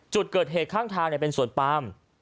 จุดเกิดเหตุข้างทางเป็นสวนปาม